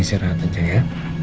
siar hat aja ya